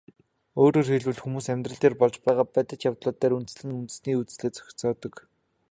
Өөрөөр хэлбэл, хүмүүс амьдрал дээр болж байгаа бодтой явдлууд дээр үндэслэн үндэсний үзлээ зохиодог.